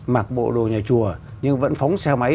mặc bộ đồ nhà chùa nhưng vẫn phóng xe máy